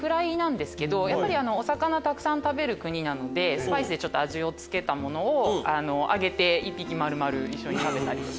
お魚たくさん食べる国なのでスパイスで味を付けたものを揚げて１匹丸々一緒に食べたりとか。